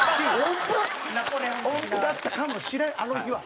音符だったかもしれんあの日は。